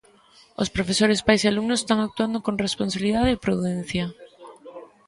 Os profesores, pais e alumnos están actuando con responsabilidade e prudencia.